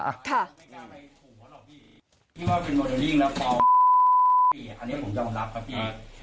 พี่ว่าเป็นโมเดลลิ่งแล้วปลอมอันนี้ผมยอมรับครับพี่